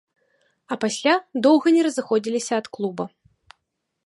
А пасля доўга не разыходзіліся ад клуба.